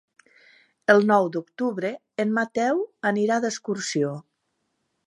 El nou d'octubre en Mateu anirà d'excursió.